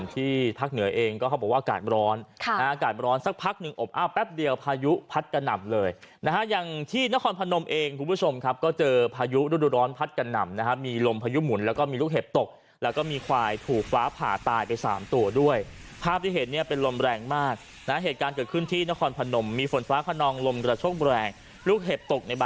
ที่ภาคเหนือเองก็เขาบอกว่าอากาศร้อนอากาศร้อนสักพักหนึ่งอบอ้าวแป๊บเดียวพายุพัดกระหน่ำเลยนะฮะอย่างที่นครพนมเองคุณผู้ชมครับก็เจอพายุฤดูร้อนพัดกระหน่ำนะฮะมีลมพายุหมุนแล้วก็มีลูกเห็บตกแล้วก็มีควายถูกฟ้าผ่าตายไปสามตัวด้วยภาพที่เห็นเนี่ยเป็นลมแรงมากนะเหตุการณ์เกิดขึ้นที่นครพนมมีฝนฟ้าขนองลมกระโชคแรงลูกเห็บตกในบ